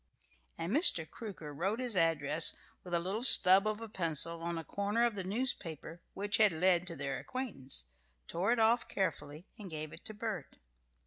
And Mr. Crooker wrote his address with a little stub of a pencil on a corner of the newspaper which had led to their acquaintance, tore it off carefully, and gave it to Bert.